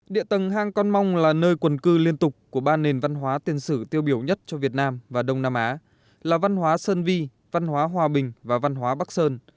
địa tầng hàng con mong là nơi quần cư liên tục của ba nền văn hóa tiền sử tiêu biểu nhất cho việt nam và đông nam á là văn hóa sơn vi văn hóa hòa bình và văn hóa bắc sơn